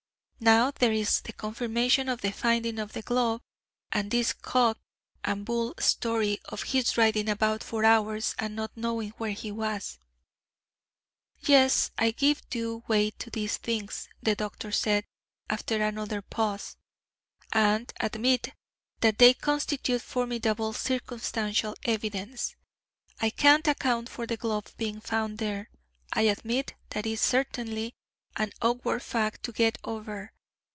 Now there is the confirmation of the finding of the glove, and this cock and bull story of his riding about for hours and not knowing where he was." "Yes, I give due weight to these things," the doctor said, after another pause, "and admit that they constitute formidable circumstantial evidence. I can't account for the glove being found there. I admit that is certainly an awkward fact to get over.